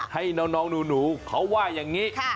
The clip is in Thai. ให้น้องหนูเขาว่าอย่างนี้